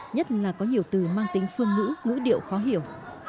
nhất là có nhiều từ mang tính phương ngữ ngữ điệu khó hiểu